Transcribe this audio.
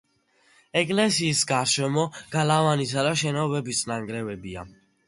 ეკლესიის გარშემო გალავნისა და შენობების ნანგრევებია.